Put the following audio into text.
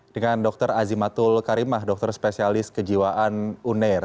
dengan dr azimatul karimah dokter spesialis kejiwaan uner